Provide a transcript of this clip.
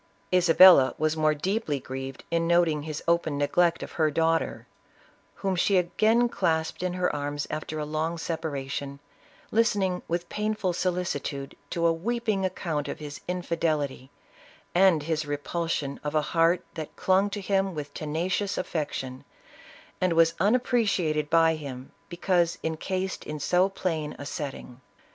Isabella was more deeply grieved in noting his open neglect of her daughter, whom she again clasped in her arms after a long separation, listening with painful solicitude to a weeping account of his infidelity, and his repulsion of a heart that clung to him with tena cious affection, and was unappreciated by him because encased in so plain a setting.